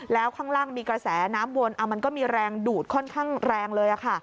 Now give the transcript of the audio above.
แล้วข้างล่างมีกระแสน้ำวนมันก็มีแรงดูดค่อนข้างแรงเลย